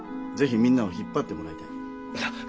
ぜひみんなを引っ張ってもらいたい。